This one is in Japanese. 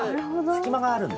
隙間があるんだ。